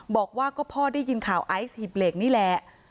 บอกว่าก็พ่อได้ยินข่าวไอซ์หีบเหล็กนี่แหละ